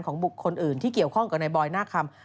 บุคคลอื่นที่เกี่ยวข้องกับนายบอยหน้าคำ